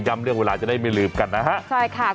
เรื่องเวลาจะได้ไม่ลืมกันนะฮะใช่ค่ะ